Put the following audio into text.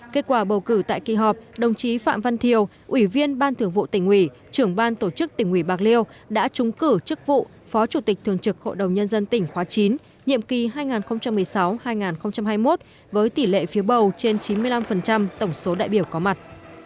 kết quả bầu cử tại kỳ họp đồng chí phạm văn thiều ủy viên ban thường vụ tỉnh ủy trưởng ban tổ chức tỉnh ủy bạc liêu đã trúng cử chức vụ phó chủ tịch thường trực hội đồng nhân dân tỉnh khóa chín nhiệm kỳ hai nghìn một mươi sáu hai nghìn hai mươi một với tỷ lệ phiếu bầu trên chín mươi năm tổng số đại biểu có mặt